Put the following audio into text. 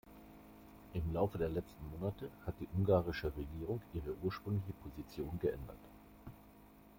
Im Laufe der letzten Monate hat die ungarische Regierung ihre ursprüngliche Position geändert.